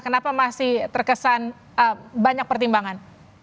kenapa masih terkesan banyak pertimbangan